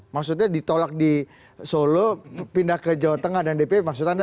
maksudnya ditolak di solo pindah ke jawa tengah dan dp maksud anda